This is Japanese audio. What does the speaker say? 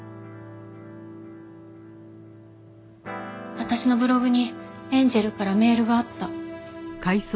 私のブログにエンジェルからメールがあった。